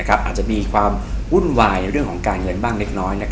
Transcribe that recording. อาจจะมีความวุ่นวายเรื่องของการเงินบ้างเล็กน้อย